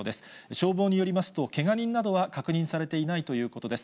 消防によりますと、けが人などは確認されていないということです。